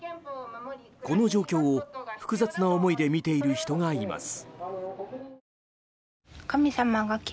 この状況を複雑な思いで見ている人がいます。